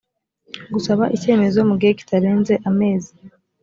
gusaba icyemezo mu gihe kitarenze amezi